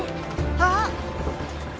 あっ。